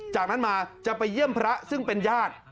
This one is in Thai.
จากนั้นมาจะไปเยี่ยมพระซึ่งเป็นญาติ